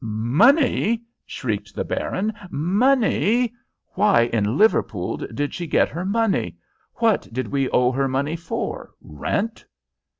"Money!" shrieked the baron. "Money! Why in Liverpool did she get her money? What did we owe her money for? Rent?"